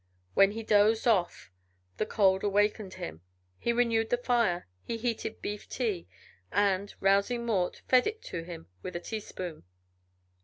When he dozed off and the cold awakened him, he renewed the fire; he heated beef tea, and, rousing Mort, fed it to him with a teaspoon.